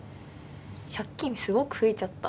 借金すごく増えちゃった。